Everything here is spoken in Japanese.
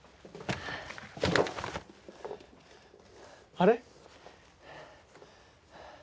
あれ？